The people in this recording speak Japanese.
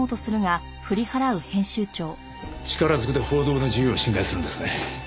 力ずくで報道の自由を侵害するんですね。